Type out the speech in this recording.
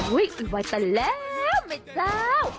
อุ๊ยไอ้วัยตัดแล้วไอ้เจ้า